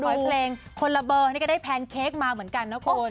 เพลงคนละเบอร์นี่ก็ได้แพนเค้กมาเหมือนกันนะคุณ